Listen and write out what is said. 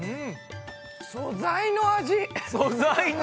素材の味！